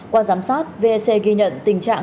qua giám sát vec ghi nhận tình trạng